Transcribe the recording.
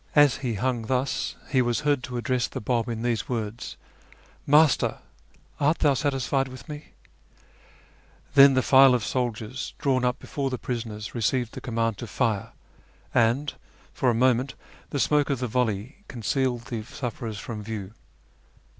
As he hung thus he was heard to address the Bab in these words :" Master ! art thou satisfied with me ?" Then the file of soldiers drawn up before the prisoners received the command to fire, and for a moment the smoke of the volley concealed the sufferers from view.